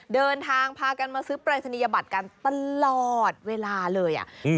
เดินทางพากันมาซื้อปรายศนียบัตรกันตลอดเวลาเลยอ่ะ